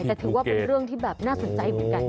แต่ถือว่าเป็นเรื่องที่แบบน่าสนใจเหมือนกัน